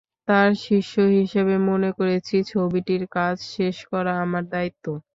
তাঁর শিষ্য হিসেবে মনে করেছি ছবিটির কাজ শেষ করা আমার দায়িত্ব।